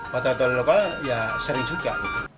hotel hotel lokal ya sering juga